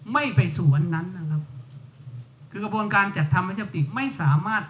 ไม่ไปสวนนั้นนะครับคือกระบวนการจัดทำประชามติไม่สามารถ